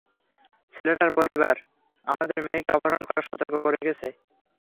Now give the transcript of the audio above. ছেলেটার পরিবার আমাদের মেয়েকে অপহরণ করার সর্তক করে গেছে।